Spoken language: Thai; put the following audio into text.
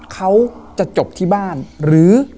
เขาจะจบที่บ้านหรือ